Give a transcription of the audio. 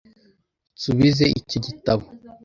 Nsubize icyo gitabo .